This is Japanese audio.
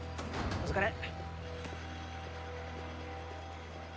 お疲れ。